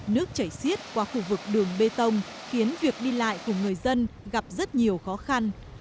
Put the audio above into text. nước chảy xiết qua khu vực đường bê tông khiến việc đi lại của người dân gặp rất nhiều khó khăn